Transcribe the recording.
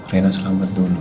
reina selamat dulu ya